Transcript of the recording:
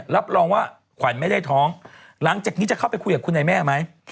รับรองว่าขวัญไม่ได้ท้องหลังจากนี้จะเข้าไปคุยกับคุณนายแม่ไหม